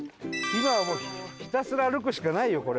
今はもうひたすら歩くしかないよ